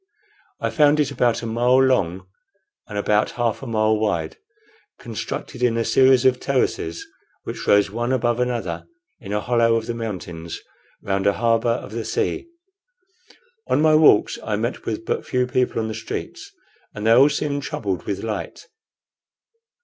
I found it about a mile long and about half a mile wide, constructed in a series of terraces, which rose one above another in a hollow of the mountains round a harbor of the sea. On my walks I met with but few people on the streets, and they all seemed troubled with the light.